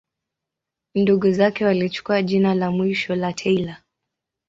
Ndugu zake walichukua jina la mwisho la Taylor.